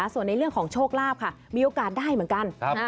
ส่วนในเรื่องของโชคลาภค่ะมีโอกาสได้เหมือนกัน